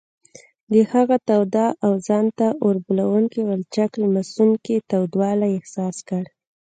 د هغه تاوده او ځان ته اوربلوونکي غلچک لمسوونکی تودوالی احساس کړ.